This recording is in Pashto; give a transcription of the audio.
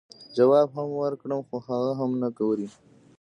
جواب هم وکړم نو هغه هم نۀ ګوري -